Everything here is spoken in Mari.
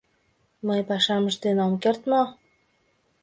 Мый пашам ыштен ом керт мо?